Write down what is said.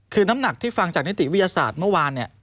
คือน้ำหนักที่ฟังจากนิติวิทยาศาสตร์เมื่อวานเนี่ย